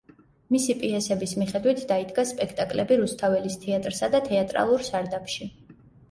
მისი პიესების მიხედვით დაიდგა სპექტაკლები რუსთაველის თეატრსა და თეატრალურ სარდაფში.